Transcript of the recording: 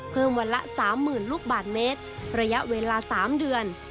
เพิ่มวันละ๓๐๐๐ลูกบาทเมตรระยะเวลา๓เดือน